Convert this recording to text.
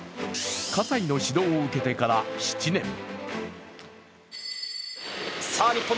葛西の指導を受けてから７年。